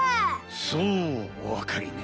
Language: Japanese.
そうおわかりね。